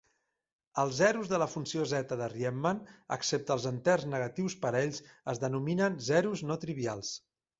Els zeros de la funció zeta de Riemann, excepte els enters negatius parells, es denominen "zeros no trivials".